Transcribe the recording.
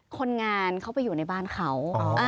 คนงานเขาไปอยู่ในบ้านเขา